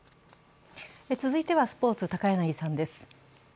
続いてはスポーツ、高柳さんです